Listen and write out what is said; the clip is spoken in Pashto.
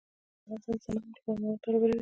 کوچیان د افغانستان د صنعت لپاره مواد برابروي.